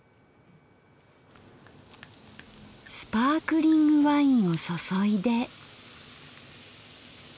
スパークリングワインを注いで。